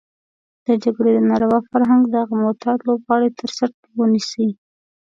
د جګړې د ناروا فرهنګ دغه معتاد لوبغاړی تر څټ ونيسي.